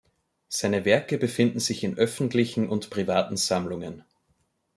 Seine Werke befinden sich in öffentlichen und privaten Sammlungen.